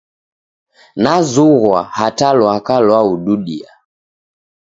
Nazughwa hata lwaka lwaududia.